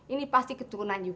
ini pasti keturunan ibu